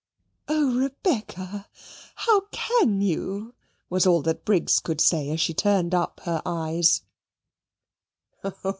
"Oh, Rebecca, how can you " was all that Briggs could say as she turned up her eyes.